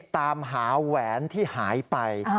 ตามหาแหวนที่หายไป